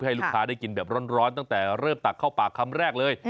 ให้ลูกค้าได้กินแบบร้อนตั้งแต่เริ่มตักเข้าปากคำแรกเลย